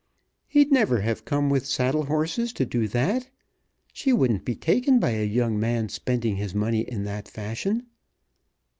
"He'd never have come with saddle horses to do that. She wouldn't be taken by a young man spending his money in that fashion.